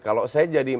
kalau saya jadi